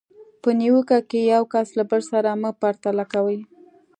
په نیوکه کې یو کس له بل سره مه پرتله کوئ.